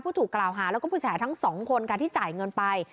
ผู้ถูกกล่าวหาแล้วก็ผู้ชายทั้งสองคนกันที่จ่ายเงินไป